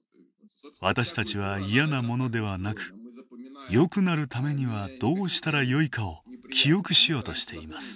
私たちは嫌なものではなくよくなるためにはどうしたらよいかを記憶しようとしています。